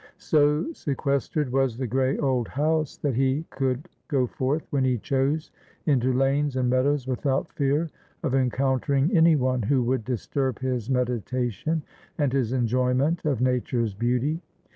So sequestered was the grey old house that he could go forth when he chose into lanes and meadows without fear of encountering anyone who would disturb his meditation and his enjoyment of nature's beauty.